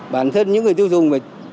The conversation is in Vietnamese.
bản thân những người tiêu dùng